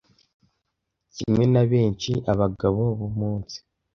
kimwe na benshi abagabo b'umunsi